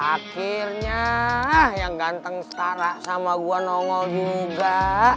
akhirnya yang ganteng setara sama gue nongol juga